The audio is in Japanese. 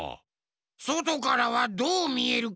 そとからはどうみえるか？